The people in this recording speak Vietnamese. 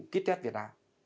kistet việt á